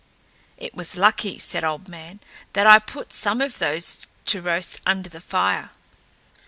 "It was lucky," said Old Man, "that I put some of those to roast under the fire."